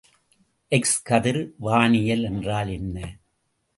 எக்ஸ்.கதிர் வானியல் என்றால் என்ன?